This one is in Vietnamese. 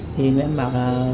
thì mẹ em bảo là